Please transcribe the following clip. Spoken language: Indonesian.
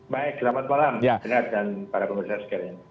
baik selamat malam senang dan para pemerintah sekalian